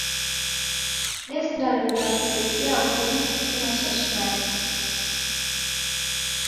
Desindalola w'utesia ghungi kufuma cha shighadi.